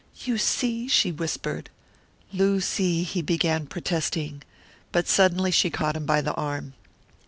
"You see!" she whispered. "Lucy," he began, protesting. But suddenly she caught him by the arm.